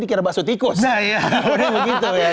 dikira bakso tikus nah iya